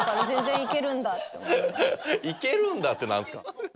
「いけるんだ」ってなんすか？